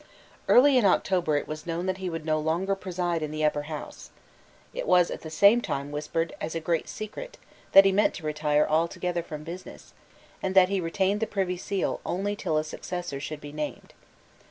Early in October it was known that he would no longer preside in the Upper House. It was at the same time whispered as a great secret that he meant to retire altogether from business, and that he retained the Privy Seal only till a successor should be named.